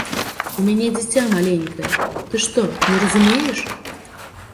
У мяне дзіця маленькае, ты што, не разумееш?